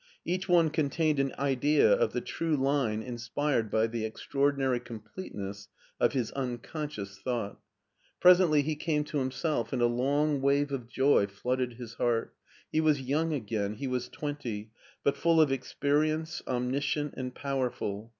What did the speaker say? Each one contained an idea of the true line inspired by the extraordinary complete ness of his unconscious thought. Presently he came to himself and a long wave of joy flooded his heart : he was young again, he was twenty, but full of experience, omniscient, and powerful.